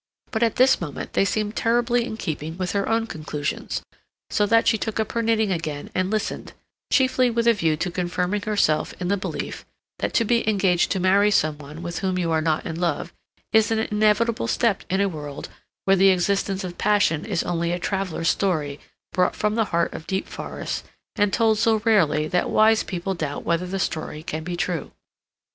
But at this moment they seemed terribly in keeping with her own conclusions, so that she took up her knitting again and listened, chiefly with a view to confirming herself in the belief that to be engaged to marry some one with whom you are not in love is an inevitable step in a world where the existence of passion is only a traveller's story brought from the heart of deep forests and told so rarely that wise people doubt whether the story can be true.